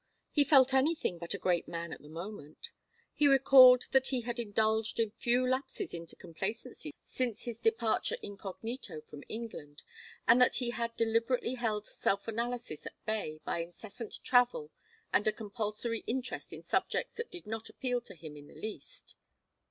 He felt anything but a great man at the moment. He recalled that he had indulged in few lapses into complacency since his departure incognito from England, and that he had deliberately held self analysis at bay by incessant travel and a compulsory interest in subjects that did not appeal to him in the least.